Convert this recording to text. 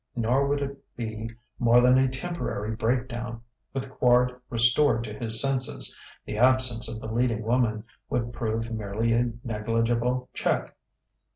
Nor would it be more than a temporary break down; with Quard restored to his senses, the absence of the leading woman would prove merely a negligible check.